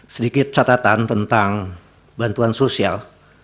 sedikit catatan tentang bantuan sosial